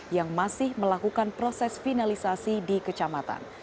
yang masih melakukan proses finalisasi di kecamatan